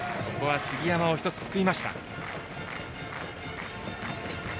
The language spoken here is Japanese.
ここは杉山を１つ救いました。